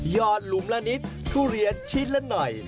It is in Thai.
หลุมละนิดทุเรียนชิ้นละหน่อย